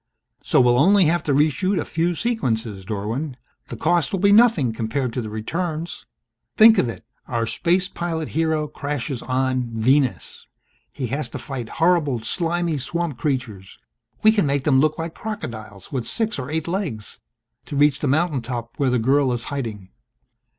"... so we'll only have to reshoot a few sequences, Dorwin. The cost will be nothing compared to the returns. Think of it! Our space pilot hero crashes on Venus. He has to fight horrible slimy swamp creatures we can make them look like crocodiles with six or eight legs to reach the mountaintop where the girl is hiding